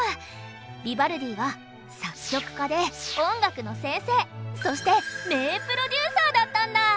ヴィヴァルディは作曲家で音楽の先生そして名プロデューサーだったんだ！